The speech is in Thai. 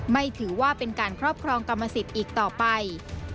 ไม่ถือว่าเป็นการครอบครองกรรมสิทธิ์อีกต่อไป